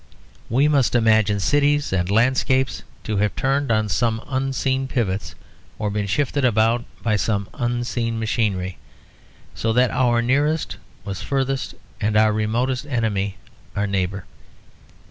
We must imagine cities and landscapes to have turned on some unseen pivots, or been shifted about by some unseen machinery, so that our nearest was furthest and our remotest enemy our neighbour.